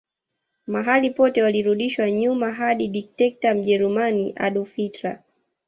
Mahali pote walirudishwa nyuma hadi Dikteta Mjerumani Adolf Hitler